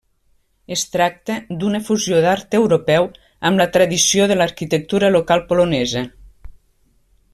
Es tracta d'una fusió d'art europeu amb la tradició de l'arquitectura local polonesa.